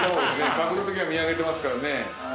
角度的には見上げてますからね。